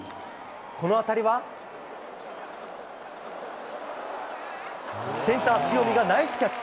この当たりはセンター、塩見がナイスキャッチ。